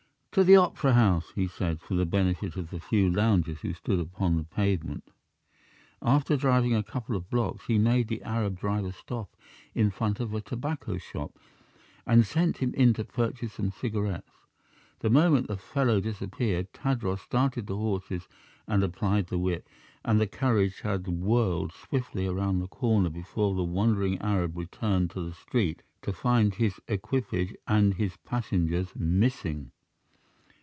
"To the opera house," he said, for the benefit of the few loungers who stood upon the pavement. After driving a couple of blocks, he made the Arab driver stop in front of a tobacco shop, and sent him in to purchase some cigarettes. The moment the fellow disappeared, Tadros started the horse and applied the whip, and the carriage had whirled swiftly around the comer before the wondering Arab returned to the street, to find his equipage and his passengers missing.